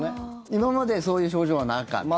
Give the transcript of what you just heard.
今までそういう症状はなかった。